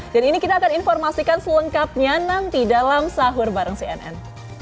dan ini kita akan informasikan selengkapnya nanti dalam sahur bareng cnn